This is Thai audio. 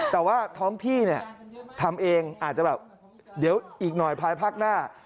แต่ว่าท้องที่เนี่ยทำเองอาจจะแบบเดี๋ยวอีกหน่อยภายพักหน้า